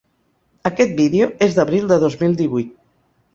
Aquest vídeo és d'abril de dos mil divuit.